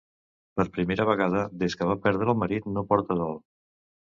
Per primera vegada des que va perdre el marit no porta dol.